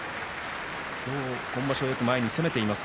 今場所、よく前に攻めています